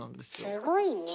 すごいね。